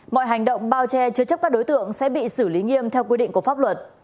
mọi hành động bao che chứa chấp các đối tượng sẽ bị xử lý nghiêm theo quy định của pháp luật